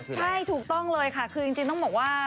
ใช่ถูกต้องเลยค่ะคือจริงต้องบอกว่า